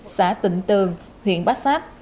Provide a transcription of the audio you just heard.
xã tịnh tường huyện bát sát